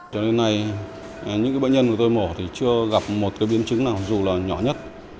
cho đến nay những bệnh nhân của tôi mổ thì chưa gặp một biến chứng nào dù là nhỏ nhất